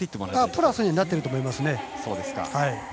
プラスになっていると思います。